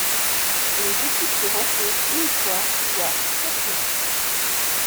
Les équipes se rencontrent une fois, soit sept matchs.